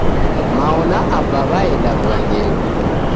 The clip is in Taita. Mao na Aba waenda wughangenyi